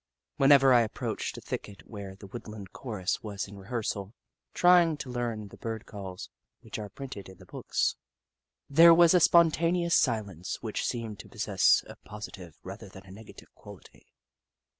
Whenever I approached a thicket where the woodland chorus was in rehearsal, trying to learn the Bird calls which are printed in the books, there was a sponta neous silence which seemed to possess a posi tive rather than a negative quality.